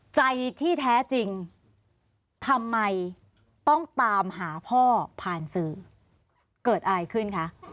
ใจที่แท้จริงทำไมต้องตามหาพ่อผ่านสื่อเกิดอะไรขึ้นคะ